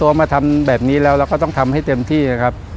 เอามาทำแบบนี้แล้วเราก็ต้องทำให้เต็มที่นะครับ